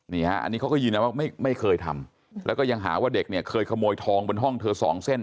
อันนี้เขาก็ยืนยันว่าไม่เคยทำแล้วก็ยังหาว่าเด็กเนี่ยเคยขโมยทองบนห้องเธอสองเส้น